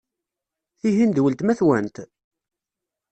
Tihin d weltma-twent?